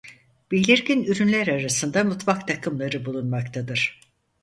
Belirgin ürünler arasında mutfak takımları bulunmaktadır.